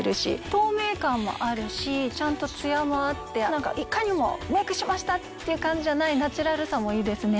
透明感もあるしちゃんとツヤもあっていかにもメイクしましたっていう感じじゃないナチュラルさもいいですね。